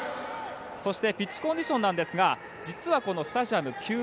そしてピッチコンディションですが実はこのスタジアム９７４